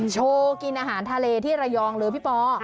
โชว์กินอาหารทะเลที่ระยองเลยพี่ปอ